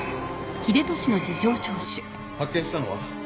発見したのは？